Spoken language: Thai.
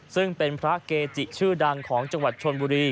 ซึ่งเป็นพระเกจิชื่อดังของจังหวัดชนบุรี